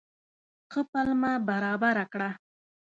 ښه پلمه برابره کړه.